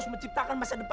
kenceng banget sih